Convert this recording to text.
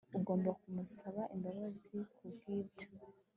Ugomba kumusaba imbabazi kubwibyo